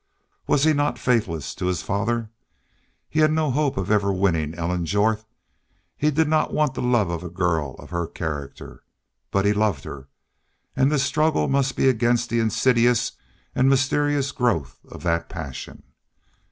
Was he not faithless to his father? He had no hope of ever winning Ellen Jorth. He did not want the love of a girl of her character. But he loved her. And his struggle must be against the insidious and mysterious growth of that passion.